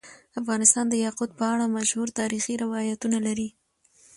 افغانستان د یاقوت په اړه مشهور تاریخی روایتونه لري.